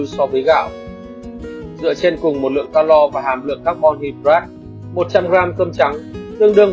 so với gạo dựa trên cùng một lượng calor và hàm lượng carbon hidrat một trăm linh g cơm trắng đương đương